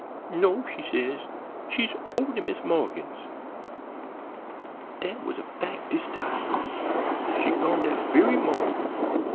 "'No,' she says, 'she's over to Mis' Morgan's.' "Dat was a fac' dis time; she'd gone dat very mawnin'.